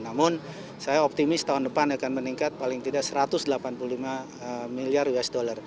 namun saya optimis tahun depan akan meningkat paling tidak satu ratus delapan puluh lima miliar usd